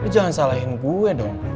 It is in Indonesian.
jangan salahin gue dong